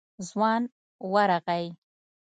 ځوان ورغی.